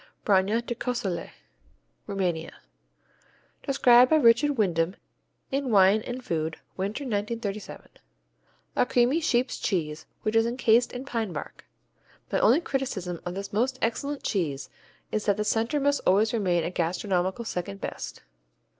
Branja de Cosulet Rumania Described by Richard Wyndham in Wine and Food (Winter, 1937): A creamy sheep's cheese which is encased in pine bark. My only criticism of this most excellent cheese is that the center must always remain a gastronomical second best.